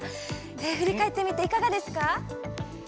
振り返ってみていかがですか？